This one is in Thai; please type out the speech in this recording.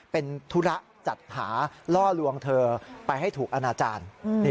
เป็นธุระจัดหาล่อลวงเธอไปให้ถูกอนาจารย์